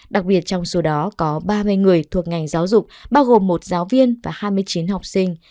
đặc biệt trong số đó có ba mươi người thuộc ngành giáo dục bao gồm một giáo viên và hai mươi chín học sinh